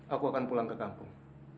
aku akan pulang ke kampung